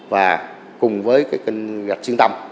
và cùng với kênh rạch xuyên tâm